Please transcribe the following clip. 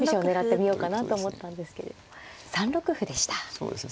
そうですね。